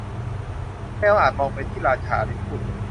แมวอาจมองไปที่ราชา อลิซพูด